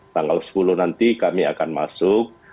tanggal sepuluh nanti kami akan masuk